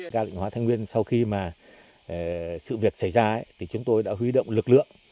đã định hóa thái nguyên sau khi sự việc xảy ra chúng tôi đã huy động lực lượng